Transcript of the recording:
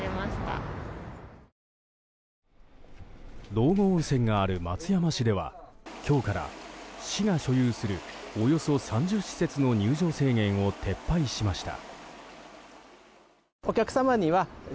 道後温泉がある松山市では今日から、市が所有するおよそ３０施設の入場制限を撤廃しました。